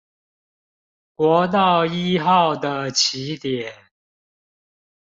國道一號的起點